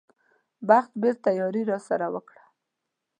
بخت بېرته یاري راسره وکړه.